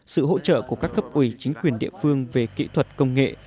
sự hỗ trợ của các cấp ủy chính quyền địa phương về kỹ thuật công nghệ